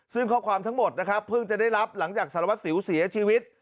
ซึ่งข้อความทั้งหมดนะครับเพิ่งจะได้รับหลังจากสารวัสสิวเสียชีวิต